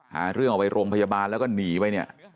หาเรื่องเอาไปโรงพยาบาลแล้วก็หนีไปเนี่ย